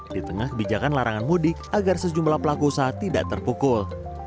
di tengah kebijakan larangan mudik agar sejumlah pelaku usaha tidak terpukul